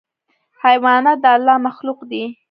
حیوانات د الله مخلوق دي.